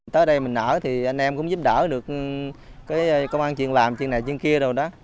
tới đây mình ở thì anh em cũng giúp đỡ được công an chuyên làm trên này trên kia rồi đó